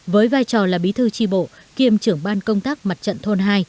với vai trò là bí thư tri bộ kiêm trưởng ban công tác mặt trận thôn hai